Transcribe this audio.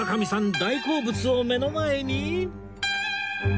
大好物を目の前に